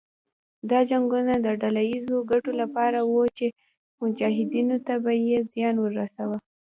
دا جنګونه د ډله ييزو ګټو لپاره وو او مجاهدینو ته يې زیان ورساوه.